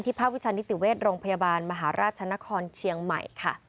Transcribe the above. ภาควิชานิติเวชโรงพยาบาลมหาราชนครเชียงใหม่ค่ะ